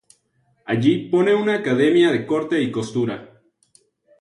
Allí pone una academia de corte y costura.